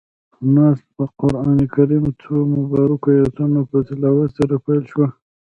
ناسته د قرآن کريم څو مبارکو آیتونو پۀ تلاوت سره پيل شوه.